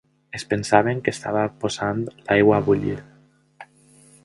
Es pensaven que estava posant l'aigua a bullir.